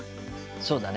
そうだね。